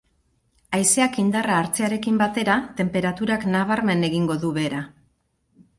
Haizeak indarra hartzearekin batera, tenperaturak nabarmen egingo du behera.